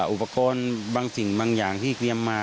อุปกรณ์บางสิ่งบางอย่างที่เตรียมมา